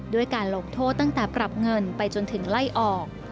ด้วยการลงโทษตั้งแต่ปรับเงินไปจนถึงไล่ออก